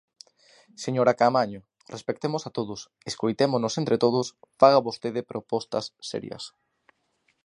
Señora Caamaño, respectemos a todos, escoitémonos entre todos, faga vostede propostas serias.